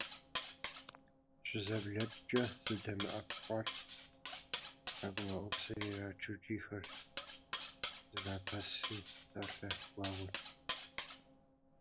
ЩызэблэкӀкӀэ зэдэмэпкъауэрт, тхьэкӀумэӀупсыр ирачу кӀийхэрт, зэрапэсри псалъэ гуауэт.